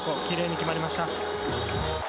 きれいに決まりました。